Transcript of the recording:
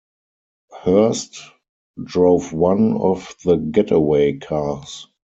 Hearst drove one of the getaway cars.